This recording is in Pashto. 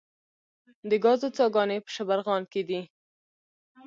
د ګازو څاګانې په شبرغان کې دي